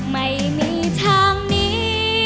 ไม่มีทางนี้